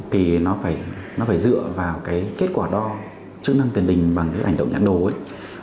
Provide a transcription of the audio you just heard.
thì nó phải dựa vào cái kết quả đo chức năng tiền đình bằng cái hành động nhãn đồ ấy